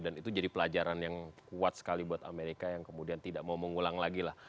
dan itu jadi pelajaran yang kuat sekali buat amerika yang kemudian tidak mau mengulang lagi lah